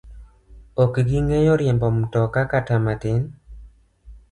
Ok ging'eyo riembo mtoka kata matin.